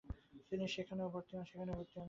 তিনি সেখানেও ভর্তি হন।